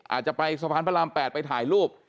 อาจจะไปสะพานพระราม๘ไปถ่ายรูป